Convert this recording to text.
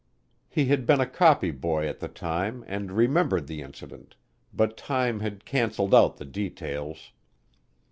He had been a copy boy at the time and remembered the incident, but time had canceled out the details.